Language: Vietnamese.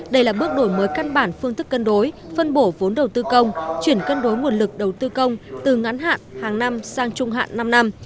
đây là bước đổi mới căn bản phương thức cân đối phân bổ vốn đầu tư công chuyển cân đối nguồn lực đầu tư công từ ngắn hạn hàng năm sang trung hạn năm năm